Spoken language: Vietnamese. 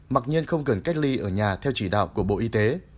mặc nhiên không cần cách ly ở nhà theo chỉ đạo của bộ y tế